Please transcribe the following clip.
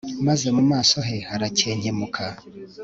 maze mu maso ye harakenkemuka